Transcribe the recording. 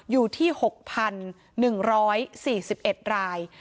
อยู่ที่๖๑๔๑ราย